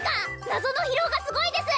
謎の疲労がすごいです！